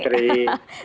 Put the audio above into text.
selamat malam pak putri